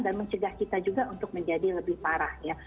dan mencegah kita juga untuk menjadi lebih parah